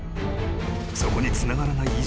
［そこにつながらない以上